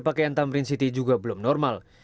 pakaian tamrin city juga belum normal